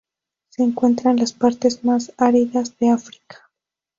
Se encuentra en las partes más áridas de África.